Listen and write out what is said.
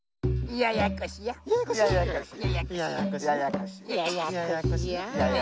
ややこしや！